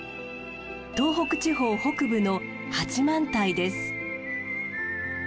東北地方北部の八幡平です。